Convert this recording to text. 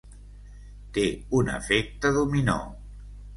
Té un efecte dominó.